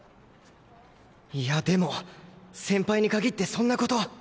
いやでも先輩に限ってそんな事